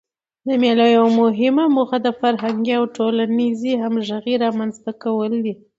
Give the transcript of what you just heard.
د مېلو یوه مهمه موخه د فرهنګي او ټولنیزي همږغۍ رامنځ ته کول دي.